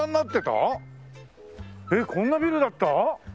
えっこんなビルだった？